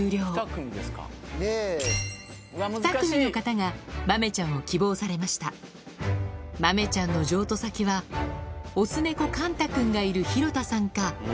２組の方が豆ちゃんを希望されました豆ちゃんの譲渡先はオス猫カンタ君がいる廣田さんか？